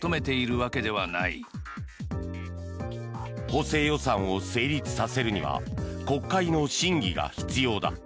補正予算を成立させるには国会の審議が必要だ。